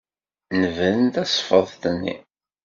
Nebren tasfeḍt-nni.